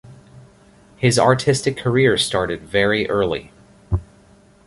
His artistic career started very early.